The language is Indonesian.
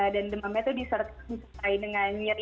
dan demamnya itu disertai dengan nyeri